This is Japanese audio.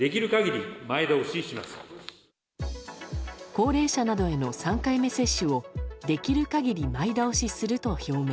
高齢者などへの３回目接種をできる限り前倒しすると表明。